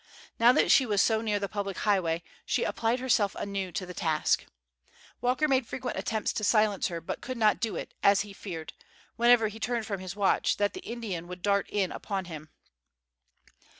Now that she was so near the public highway, she applied herself anew to the task. Walker made frequent attempts to silence her, but could not do it, as he feared, whenever he turned from his watch, that the Indian would dart in upon him.